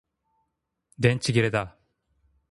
電池切れだ